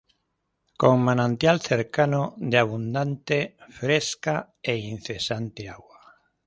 Con manantial cercano, de abundante, fresca, e incesante agua.